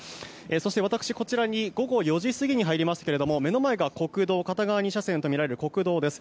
そして私、こちらに午後４時過ぎに入りましたが目の前が片側２車線とみられる国道です。